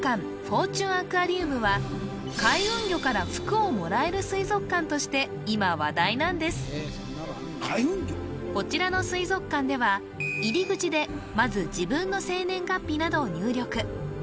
フォーチュンアクアリウムはとして今話題なんですこちらの水族館では入り口でまず自分の生年月日などを入力